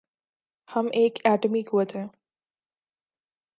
ہم ایک ایٹمی قوت ہیں۔